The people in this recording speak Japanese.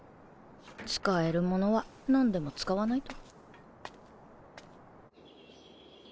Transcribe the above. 使えるものは何でも使わないと。